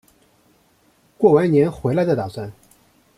过完年回来再打算